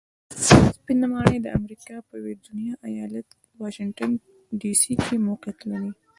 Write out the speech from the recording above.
سپینه ماڼۍ د امریکا په ویرجینیا ایالت واشنګټن ډي سي کې موقیعت لري.